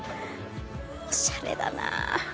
オシャレだな。